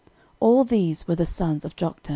All these were the sons of Joktan.